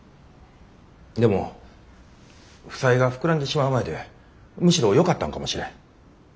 でも負債が膨らんでしまう前でむしろよかったんかもしれん。